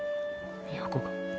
都が。